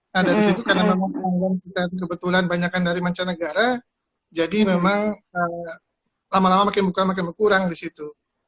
nah dari situ karena memang kebetulan banyak dari mancanegara jadi memang lama lama makin berkurang di situ